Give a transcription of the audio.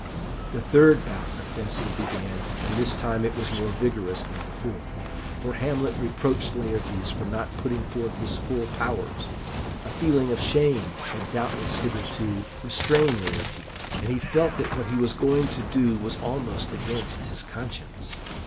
The third bout of fencing began, and this time it was more vigorous than before, for Hamlet reproached Laertes for not putting forth his full powers. A feeling of shame had doubtless hitherto restrained Laertes, and he felt that what he was going to do was almost against his conscience.